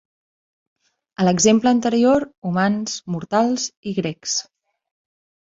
A l'exemple anterior, "humans", "mortals" i "grecs".